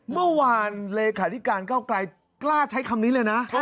เมื่อวานเลขาธิการเก้าไกลกล้าใช้คำนี้เลยนะ